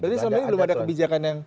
jadi sebenarnya belum ada kebijakan yang